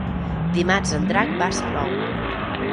Dimarts en Drac va a Salou.